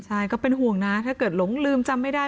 ใช่ก็เป็นห่วงนะถ้าเกิดหลงลืมจำไม่ได้